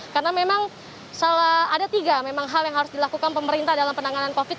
karena memang salah ada tiga memang hal yang harus dilakukan pemerintah dalam penanganan covid